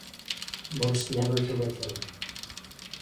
Most never to return.